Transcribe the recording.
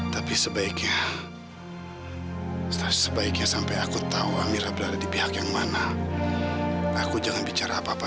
tapi sebaiknya sebaiknya sampai aku tahu amira berada di pihak yang mana aku jangan bicara apa apa